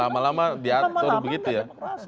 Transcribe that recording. lama lama diatur begitu ya